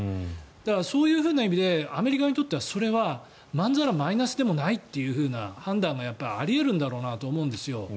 そういうふうな意味でアメリカにとってはそれは満更マイナスでもないという判断があり得るんだろうなと思うんですよ。